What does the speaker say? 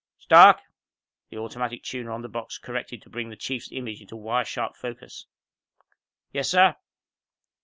"Stark!" The automatic tuner on the box corrected to bring the Chief's image in wire sharp focus. "Yes, sir?"